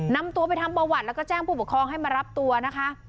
นำตัวไปทำประวัติแล้วก็แจ้งผู้ปกครองให้มารับตัวนะคะ